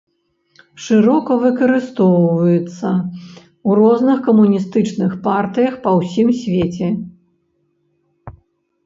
Шырока выкарыстоўваецца ў розных камуністычных партыях па ўсім свеце.